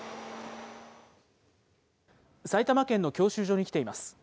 埼玉県の教習所に来ています。